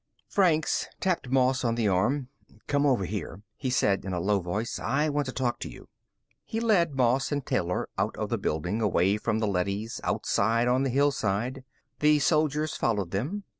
Franks tapped Moss on the arm. "Come over here," he said in a low voice. "I want to talk to you." He led Moss and Taylor out of the building, away from the leadys, outside on the hillside. The soldiers followed them.